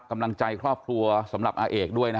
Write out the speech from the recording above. กำลังใจครอบครัวอาเอกด้วยนะคะ